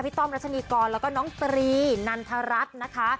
ต้อมรัชนีกรแล้วก็น้องตรีนันทรัฐนะคะ